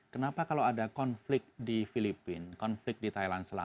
kenapa kalau ada konflik di filipina konflik di thailand